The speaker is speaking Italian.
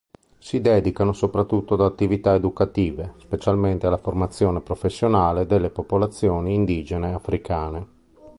Si dedicano soprattutto ad attività educative, specialmente alla formazione professionale delle popolazioni indigene africane.